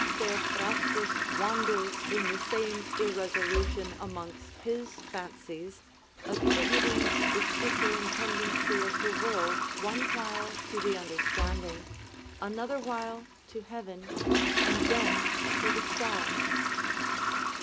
Theophrastus wanders in the same irresolution amongst his fancies, attributing the superintendency of the world one while to the understanding, another while to heaven, and then to the stars.